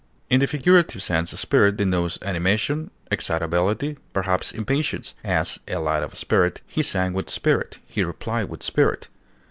In the figurative sense, spirit denotes animation, excitability, perhaps impatience; as, a lad of spirit; he sang with spirit; he replied with spirit.